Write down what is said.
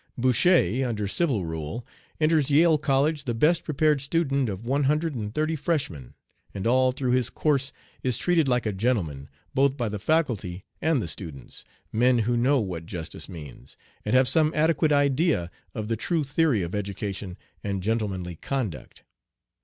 "Bouchet, under civil rule, enters Yale College the best prepared student of one hundred and thirty freshmen, and all through his course is treated like a gentleman, both by the faculty and the students, men who know what justice means, and have some adequate idea of the true theory of education and gentlemanly conduct.